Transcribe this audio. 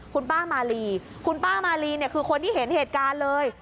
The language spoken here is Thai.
คุณป้ามาลีคุณป้ามาลีเนี่ยคือคนที่เห็นเหตุการณ์เลย